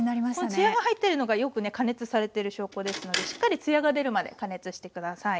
つやが入ってるのがよくね加熱されてる証拠ですのでしっかりつやが出るまで加熱して下さい。